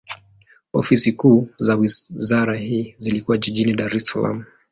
Ofisi kuu za wizara hii zilikuwa jijini Dar es Salaam.